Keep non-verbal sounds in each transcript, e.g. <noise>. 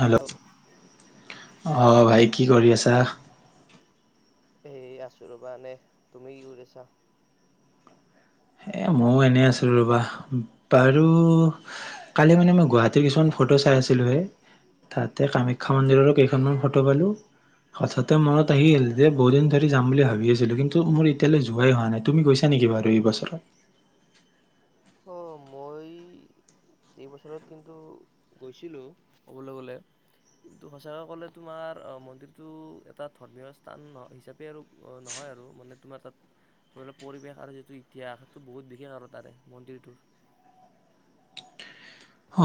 Hello অঁ ভাই কি কৰি আছা এ আছোঁ ৰ'বা নে তুমি কি কৰিছা এ ময়ো এনেই আছিলো ৰ'বা বাৰু কালি মানে মই গুৱাহাটীৰ কিছুমান ফটো চাই আছিলো হে তাতে কামাখ্যা মন্দিৰৰো কেইখনমান ফটো পালোঁ হাঠতে মনত আহিল বলিন থেনদাৰী যাম বুলি ভাবি আছিলোঁ কিন্তু মোৰ এতিয়ালৈ যোৱাই হোৱা নাই তুমি গৈছা নেকি বাৰু এই বছৰত <inaudible> অ মই এইবছৰত কিন্তু গৈছিলো ক'বলৈ গ'লে কিন্তু সঁচাকৈ ক'লে তোমাৰ মন্দিৰটো এটা ধৰ্মীয় স্থান হিচাপে নহয় আৰু তাত পৰিৱেশ আৰু যিটো ইতিহাস সেইটো বহুত বিশেষ আৰু তাৰে মন্দিৰটোৰ অ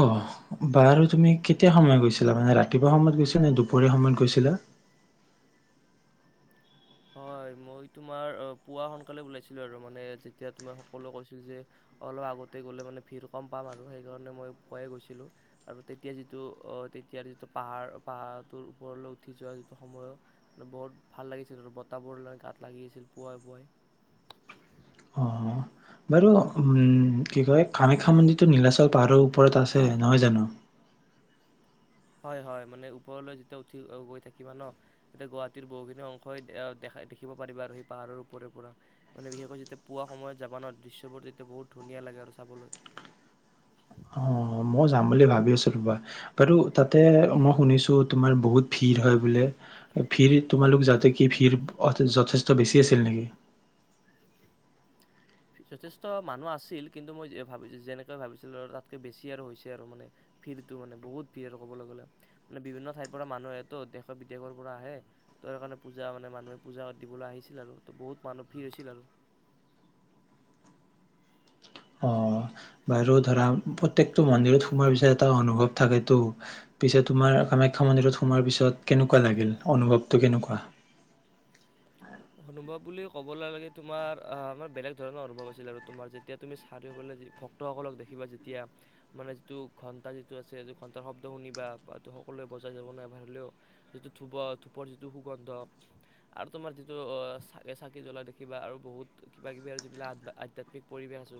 বাৰু তুমি কেতিয়া সময় গৈছিলা মানে ৰাতিপুৱা সময়ত গৈছিলা নে দুপৰীয়া সময়ত গৈছিলা হয় মই তোমাৰ পুৱা সোনকালে ওলাইছিলো আৰু মানে যেতিয়া তোমাৰ সকলোৱে কৈছিল যে অলপ আগতে গ'লে মানে ভিৰ কম পাম আৰু সেইকাৰণে মই পুৱাই গৈছিলো আৰু তেতিয়া যিটো অ তেতিয়া যিটো পাহাৰ পাহাৰটোৰ ওপৰলৈ উঠি যোৱা যিটো সময় বহুত ভাল লাগিছিল আৰু বতাবোৰ ল গাত লাগি আছিল পুৱাই পুৱাই অ বাৰু উম্ কি কয় কামাখ্যা মন্দিৰটো নীলাচল পাহাৰৰ ওপৰত আছে নহয় জানো হয় হয় মানে ওপৰলৈ যেতিয়া উঠি গৈ থাকিবা ন তেতিয়া গুৱাহাটীৰ বহুখিনি অংশই দেখা দেখিব পাৰিবা আৰু সেই পাহাৰৰ ওপৰে পৰা মানে বিশেষকৈ যেতিয়া পোৱা সময়ত যাবান দৃশ্যবোৰ তেতিয়া বহুত ধুনীয়া লাগে আৰু চাবলৈ অ' মই যাম বুলি ভাবি আছিলো ৰবা বাৰু তাতে মই শুনিছো তোমাৰ বহুত ভিৰ হয় বোলে ভিৰ তোমালোক যাওঁতে কি ভিৰ যথেষ্ট বেছি আছিল নেকি? যথেষ্ট মানুহ আছিল কিন্তু মই ভা যেনেকৈ ভাবিছিলোঁ আৰু তাতকৈ বেছি আৰু হৈছে আৰু মানে ভিৰটো মানে বহুত ভিৰ আৰু ক'বলৈ গ'লে মানে বিভিন্ন ঠাইৰ পৰা মানুহ আহেতো দেশৰ বিদেশৰ পৰা আহে তো সেইকাৰণে পূজা মানে মানুহে পূজা দিবলৈ আহিছিল আৰু ত বহুত মানুহ ভিৰ হৈছিল আৰু অ বাৰু ধৰা প্ৰত্যেকটো মন্দিৰত সোমোৱাৰ পিছত এটা অনুভৱ থাকেতো পিছে তোমাৰ কামাখ্যা মন্দিৰত সোমোৱাৰ পিছত কেনেকুৱা লাগিল অনুভৱটো কেনেকুৱা? অনুভৱ বুলি কবলৈ লাগে তোমাৰ আহ আমাৰ বেলেগ ধৰণৰ অনুভৱ আছিল আৰু তোমাৰ যেতিয়া তুমি চাৰিওফালে ভক্তসকলক দেখিবা যেতিয়া মানে যিটো ঘন্টা যিটো আছে সেইটো ঘটাৰ শব্দ শুনিবা বা সকলোৱে বজাই যাব নাইবা হলেও যিটো ধূপৰ ধূপৰ যিটো সুগন্ধ আৰু তোমাৰ যি চ চাকি জ্বলাই দেখিবা আৰু বহুত কিবা কিবি আৰু যিবিলাক আধ্যাত্মিক পৰিৱেশ আছো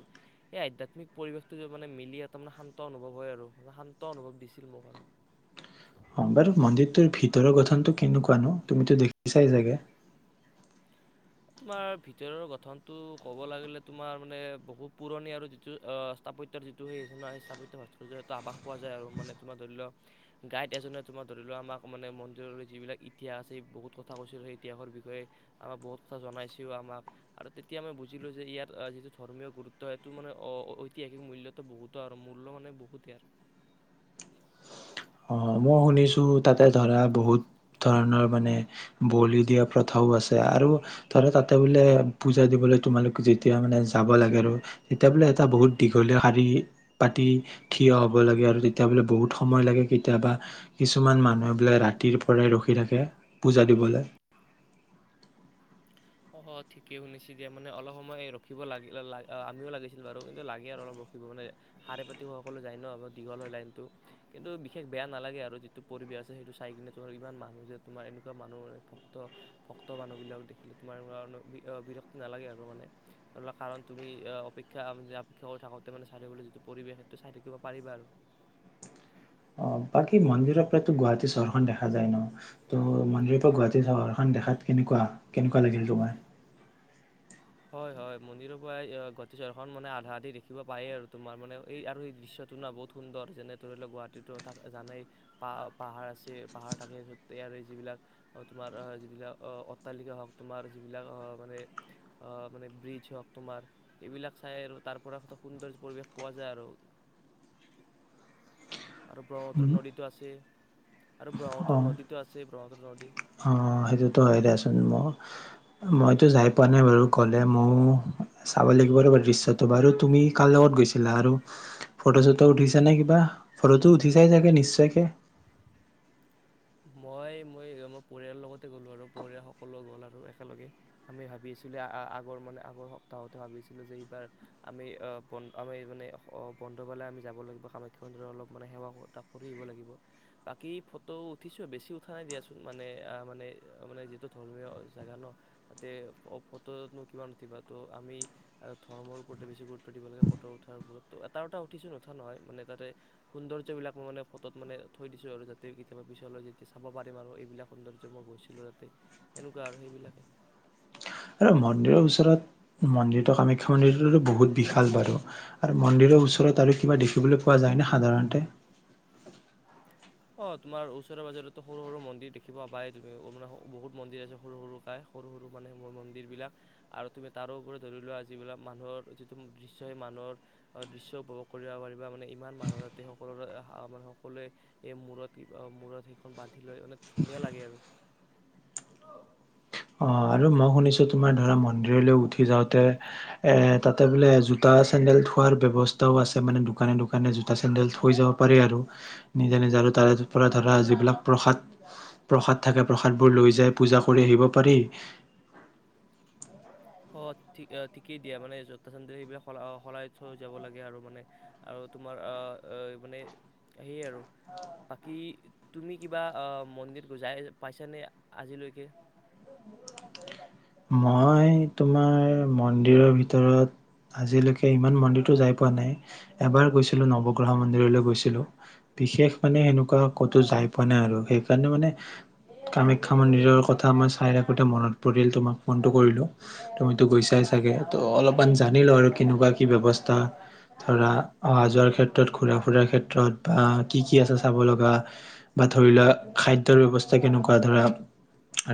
সেই আধ্যাত্মিক পৰিৱেশটো মানে মিলি তাৰ মানে শান্ত অনুভৱ হয় আৰু শান্ত অনুভৱ দিছিল মোক আৰু অ বাৰু মন্দিৰটোৰ ভিতৰৰ গঠনটো কেনেকুৱানো? তুমিতো দেখিছাই চাগে! তোমাৰ ভিতৰৰ গঠনটো ক'ব লাগিলে তোমাৰ মানে বহুত পুৰণি আৰু যিটো স্থাপত্যৰ যিটো সেই চিনা স্থাপত্য ভাস্কৰ্য আভাস পোৱা যায় আৰু মানে তোমাৰ ধৰি লোৱা গাইড এজনে তোমাৰ ধৰি লোৱা আমাক মানে মন্দিৰৰ যিবিলাক ইতিহাস এই বহুত কথা কৈছিল সেই ইতিহাসৰ বিষয়ে আমাক বহুত কথা জনাইছোও আমাক আৰু তেতিয়া মই বুজিলো যে ইয়াৰ যিটো ধৰ্মীয় গুৰুত্ব সেইটো মানে ঐতিহাসিক মূল্যটো বহুতো আৰু মূল্য মানে বহুত ইয়াৰ। অ মই শুনিছো তাতে ধৰা বহুত ধৰণৰ মানে বলি দিয়া প্ৰথাও আছে আৰু ধৰা তাতে বোলে পূজা দিবলৈ তোমালোক যেতিয়া মানে যাব লাগে আৰু তেতিয়া বোলে এটা বহুত দীঘলীয়া শাৰী পাতি থিয় হ'ব লাগে আৰু তেতিয়া বোলে বহুত সময় লাগে কে কেতিয়াবা কিছুমান মানুহে বোলে ৰাতিৰ পৰাই ৰখি থাকে পূজা দিবলে? অ ঠিকে শুনিছে দিয়া মানে অলপ সময় ৰখিব লাগিল আমিও লাগিছিল বাৰু কিন্তু লাগে আৰু অলপ ৰখিব মানে সাৰে পাতি সকলো যায় ন দীঘল হয় লাইনটো কিন্তু বিশেষ বেয়া নালাগে আৰু যিটো পৰিৱেশ আছে সেইটো চাই কিনে তোমাৰ ইমান মানুহ যে তোমাৰ এনেকুৱা মানুহ ভক্ত ভক্ত মানুহ বিলাক দেখিলো তোমাৰ বিৰক্ত নালাগে আৰু মানে কাৰণ তুমি অপেক্ষা অপেক্ষা কৰি থাকোঁতে মানে চাইবলৈ যিটো পৰিৱেশ সেইটো চাই থাকিব পাৰিবা আৰু অ বাকী মন্দিৰৰ পৰাতো গুৱাহাটী চহৰখন দেখা যায় ন ত মন্দিৰৰ পৰা গুৱাহাটী চহৰখন দেখাত কেনেকুৱা? কেনেকুৱা লাগিল তোমাৰ? হয় হয় মন্দিৰৰ পৰা গুৱাহাটী চৰখন মানে আধা আধি দেখিব পায়েই আৰু তোমাৰ মানে এই আৰু এই দৃশ্যটো না বহুত সুন্দৰ যেনে ধৰি লওক গুৱাহাটীতো জানেই পাহ পাহাৰ আছে পাহাৰ থাকে এই যিবিলাক তোমাৰ যিবিলাক অট্টালিকে হওক তোমাৰ যিবিলাক আহ মানে আহ মানে ব্ৰিজ হওক তোমাৰ এইবিলাক চাই আৰু তাৰ পৰা সুন্দৰ পৰিৱেশ পোৱা যায় আৰু আৰু ব্ৰহ্মপুত্ৰ নদীটো আছেই আৰু অ ব্ৰহ্মপুত্ৰ নদীটো আছেই ব্ৰহ্মপুত্ৰ নদী অ সেইটোতো হয় দোচোন মই মইতো যাই পোৱা নাই বাৰু গলে ময়ো চাব লাগিব ৰু দৃশ্যটো বাৰু, তুমি কাৰ লগত গৈছিলা? আৰু ফটো চটো উঠিছা নে কিবা ফটোটো উঠিছাই চাগে নিশ্চয়কে! মই মই মই পৰিয়ালৰ লগতে গ'লো আৰু পৰিয়াল সকলো গ'ল আৰু একেলগে আমি ভাবিছিলো আগৰ মানে আগৰ সপ্তাহতে ভাবিছিলো যে এইবাৰ আমি বন্ধ আমি মানে বন্ধ পালে আমি যাব লাগিব কামাখ্যা মন্দিৰত অলপ ম সেৱা কৰি আহিব লাগিব। বাকী ফটো উ বেছি উঠা নাই দিয়াচোন মানে মানে মানে যিহেতু ধৰ্মীয় জাগা ন তাতে ফটোনো কিমান উঠিবা ত' আমি ধৰ্মৰ ওপৰতে বেছি গুৰুত্ব দিব লাগে ফটো উঠাৰ ওপৰত ত এটা দুটা উঠিছো নুঠা নহয় মানে তাতে সৌন্দৰ্যবিলাক মই মানে ফটোত মানে থৈ দিছোঁ আৰু যাতে কেতিয়াবা পি যে চাব পাৰিম আৰু এইবিলাক সৌন্দৰ্য মই গৈছিলো তাতে সনেকুৱা আৰু সেইবিলাকে, আৰু মন্দিৰৰ ওচৰত মন্দিৰটো কামাখ্যা মন্দিৰটোতো বহুত বিশাল বাৰু আৰু মন্দিৰৰ ওচৰত আৰু কিবা দেখিবলৈ পোৱা যায়নে সাধাৰণতে? অ' তোমাৰ ওচৰে পাজৰেটো সৰু সৰু মন্দিৰ দেখিব পায় তুমি মানে বহুত মন্দিৰ আছে। সৰু সৰু কাই সৰু -সৰু মানে মন্দিৰ বিলাক আৰু তুমি তাৰোপৰি ধৰি লোৱা যিবিলাক মানুহৰ যিটো দৃশ্য সেই মানুহৰ দৃশ্য উপভোগ কৰিব পাৰিবা মানে ইমান মানুহৰ যাতে সকলোৰে মান সকলোৱে এই মূৰত -মূৰত সেইখন বান্ধি লৈ মানে ধুনীয়া লাগে আৰু অ 'আৰু মই শুনিছো তোমাৰ ধৰা মন্দিৰলৈ উঠি যাওঁতে এ তাতে বোলে জোতা চেন্দেল থোৱাৰ ব্যয়ৱস্থাও আছে মানে দোকানে দোকানে জোতা চেন্দেল থৈ যাব পাৰি আৰু নিজে নিজে আৰু তাৰে পৰা ধৰা যিবিলাক প্ৰসাদ -প্ৰসাদ থাকে প্ৰসাদবোৰ লৈ যায় পূজা কৰি আহিব। পাৰি। অ 'ঠিকেই দিয়া মানে জোতা চেণ্ডেল সেইবিলাক সলাই যাব লাগে আৰু মানে আৰু তোমাৰ আৰু মানে সেয়ে আৰু বাকী তুমি কিবা অ' মন্দিৰ যাই পাইছানে আজিলৈকে? মই তোমাৰ মন্দিৰৰ ভিতৰত আজিলৈকে ইমান মন্দিৰতটো যাই পোৱা নাই। এবাৰ গৈছিলো নৱগ্ৰহ মন্দিৰলৈ গৈছিলো, বিশেষ মানে সেনেকুৱা ক'তো যাই পোৱা নাই আৰু সেইকাৰণে মানে কামাখ্যা মন্দিৰৰ কথা আমাৰ চাই থাকোতে মনত পৰিল তোমাৰ। ফোনটো কৰিলো, তুমিতো গৈছাই চাগে ত' অলপমান জানিলো আৰু কেনেকুৱা কি ব্যৱস্থা ধৰা অহা যোৱাৰ ক্ষেত্ৰত ঘুৰা ফুুৰাৰ ক্ষেত্ৰত বা কি -কি আছে চাব লগা বা ধৰি লোৱা খাদ্যয়ৰ ব্যৱস্থা কেনেকুৱা ধৰা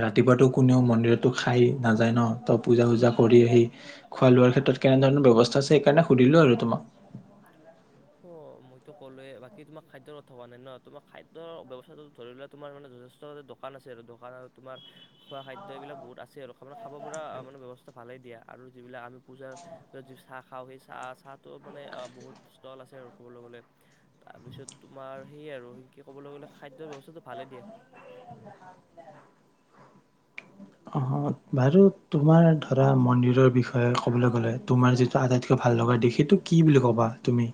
ৰাতিপুৱাতটো কোনেও মন্দিৰতো খাই। নাযায় ন ত' পূজা চূজা কৰি আহি খোৱা লোৱাৰ ক্ষেত্ৰত কেনেধৰণৰ ব্যৱস্থা আছে সেইকাৰণে সুধিলো আৰু তোমাক। অ' মইতো ক'লোৱয়ে বাকী তোমাক খাদ্যৰ কথা হোৱা নাই ন, তোমাৰ খাদ্যৰ ব্যৱস্থাটো ধৰি লোৱা তোমাৰ মানে যথেষ্ট দোকান আছে আৰু দোকান আৰু তোমাৰ খোৱা খাদ্য এইবিলাক বহুত আছে খাব পৰা মানে ব্যৱস্থা ভালেই দিয়া। আৰু যিবিলাক আমি পূজাৰ য চাহ খাওঁ সেই চাহ চাহো মানে বহুত আছে আৰু কবলৈ গলে তাৰ পিছত তোমাৰ সেইয়া আৰু কবলৈ গলে খাদ্যৰ ব্যৱস্থাটো ভালে দিয়া। অ' বাৰু তোমাৰ ধৰা মন্দিৰৰ বিষয়ে কবলৈ গ'লে তোমাৰ যিটো আটাইতকৈ ভাল লগা দিশ সেইটো কি বুলি কবা তুমি?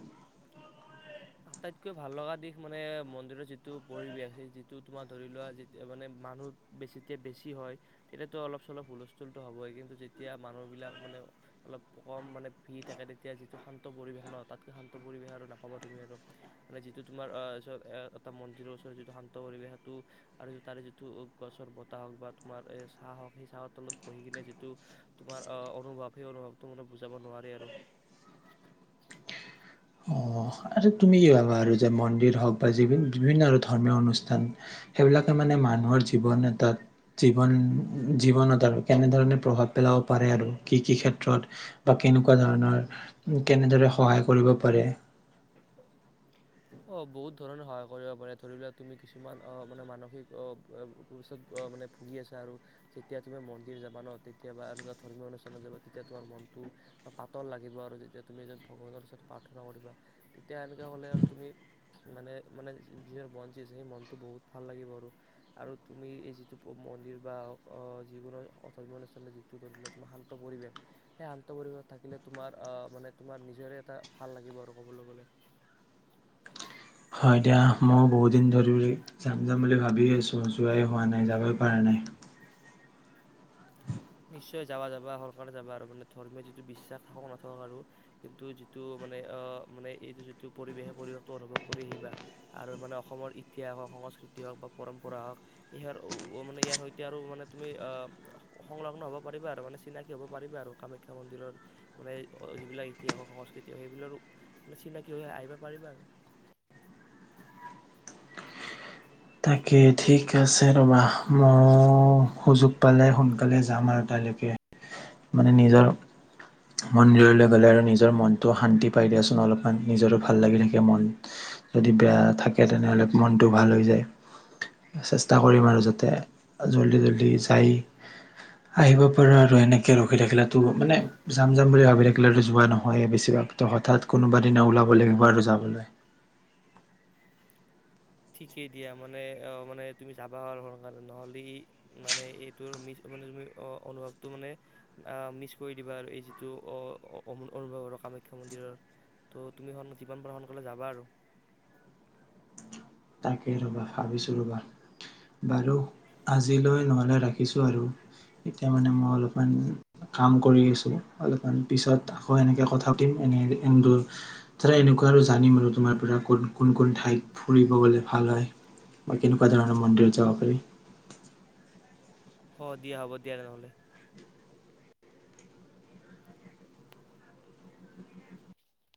আটাইতকৈ ভাল লগা দিশ মানে মন্দিৰৰ যিটো পৰিৱেশ যিটো তোমাৰ ধৰি লোৱা যিটো মানে মানুহ যেতিয়া বেছি হয় তেতিয়াতো অলপ চলপ হুলস্থুলতটো হ'বই কিন্তু যেতিয়া মানুহবিলাক মানে অলপ কম মানে, ফ্ৰি থাকে তেতিয়া যিটো শান্ত পৰিৱেশ নহ, তাতকৈ শান্ত পৰিৱেশ আৰু নাপাবা তুমি আৰু। মানে যিটো তোমাৰ অ 'এ এটা মন্দিৰৰ ওচৰত যিটো শান্ত পৰিৱেশ সেইটো আৰু তাৰে যিটো গছৰ বতাহ হওক বা তোমাৰ এ চাহ হওক সেই চাহৰ তলত বহি কিনে যিটো তোমাৰ আহ অনুভৱ সেই অনুভৱটো মানে বুজাব নোৱাৰে আৰু। অ' আৰু তুমি কি ভাবা আৰু যে মন্দিৰ হওক বা যিবোৰ বিভিন্ন আৰু ধৰ্মীয় অনুষ্ঠান সেইবিলাকে মানে মানুহৰ জীৱন এটাত জীৱন জীৱনত আৰু অ 'কেনেধৰণে প্ৰভাৱ পেলাব পাৰে আৰু কি কি ক্ষেত্ৰত বা কেনেকুৱা ধৰণৰ কেনেদৰে সহায় কৰিব? পাৰে। অ' বহুত ধৰণে সহায় কৰিব পাৰে, ধৰি লোৱা তুমি কিছুমান অ মানে মানসিক মানে ভুগি আছা আৰু যেতিয়া তুমি মন্দিৰ যাবা ন' তেতিয়াা এনেকুৱা ধৰ্মীয় অনুষ্ঠানত যাবা তেতিয়া তোমাৰ মনটো পাতল লাগিব আৰু যেতিয়া তুমি এজন ভগৱানৰ ওচৰত প্ৰাৰ্থনা কৰিবা তেতিয়া এনেকুৱা হ'লে আৰু তুমি মানে মানে নিজৰ মন যি আছে সেই মনটো বহুত ভাল লাগিব। আৰু আৰু তুমি এই যিটো মন্দিৰ বা যিকোনো ধৰ্মীয় অনুষ্ঠানত যিটো ধৰি ল' তোমাৰ শান্ত পৰিৱেশ সেই শান্ত পৰিৱেশত থাকিলে তোমাৰ অহ মানে তোমাৰ নিজৰে এটা ভাল লাগিব আৰু ক'বলৈ গ'লে। হয় দিয়া ময়ো বহুত দিন ধৰি যাম- যাম বুলি ভাবি আছোঁ যোৱাই হোৱা নাই যাবই পৰা নাই। নিশ্চয় যাবা -যাবা সোনকালে যাবা আৰু মানে ধৰ্মীয় যিটো বিশ্বাস থাকক নাথাকক আৰু কিন্তু যিটো মানে আহ মানে এইটো যিটো পৰিৱেশ সেই পৰিৱেশটো অনুভৱ কৰি আহিবা আৰু মানে অসমৰ ইতিহাস হওক সংস্কৃতি হওক বা পৰম্পৰা হওক ইয়াৰ মানে ইয়াৰ সৈতে আৰু মানে তুমি অ ' সংলগ্ন হব পাৰিবা আৰু মানে চিনাকি হ'ব পাৰিবা আৰু কামাখ্যা মন্দিৰৰ মানে যিবিলাক ইতিহাস সংস্কৃতি সেইবিলাক মানে চিনাকি হৈ আহিব পাৰিবা আৰু। তাকে ঠিক আছে ৰ'বা মই সুযোগ পালে সোনকালে যাম আৰু তালৈকে। মানে নিজৰ মন্দিৰলৈ গলে আৰু নিজৰ মনটো শান্তি পাই দিয়াচোন অলপমান নিজৰো ভাল লাগি থাকে মন। যদি বেয়া থাকে তেনেহ'লে মনটো ভাল হৈ যায়। চেষ্টা কৰিম আৰু যাতে জল্দি জল্দি যাই আহিব পাৰো আৰু এনেকে ৰখি থাকিলো মানে যাম- যাম বুলি ভাবি থাকিলো যোৱা নহয়। বেছিভাগ ত হঠাৎ কোনোবা দিনা ওলাব লাগিব আৰু যাবলৈ। ঠিকেই দিয়া মানে মানে তুমি যাবা আৰু সোনকালে নহ'লে মানে এইটো মি মে তুমি অনুভৱটো মানে মিচ কৰি দিবা আৰু এই যিটো অনুভৱ আৰু কামাখ্যা মন্দিৰৰ ত' তুমি যিমান পাৰা সোনকালে যাবা আৰু। তাকে ৰবা ভাবিছো ৰবা বাৰু আজিলৈ নহলে ৰাখিছো আৰু এতিয়া মানে মই অলপমান কাম কৰি আছো অলপমান পিছত আকৌ এনেকে কথা পাতিম এনে এনেকুৱা আৰু জানিম আৰু তোমাৰ পৰা কোন কোন কোন ঠাইত ফুৰিব? ভাল হয় আৰু কেনেকুৱা জানেনে মন্দিৰত যাব পাৰি? অ' দিয়া হ'ব দিয়া তেনেহ'লে